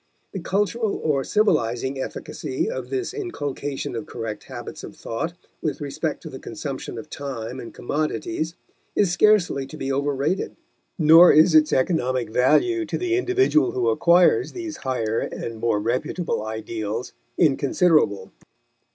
The cultural or civilizing efficacy of this inculcation of correct habits of thought with respect to the consumption of time and commodities is scarcely to be overrated; nor is its economic value to the individual who acquires these higher and more reputable ideals inconsiderable.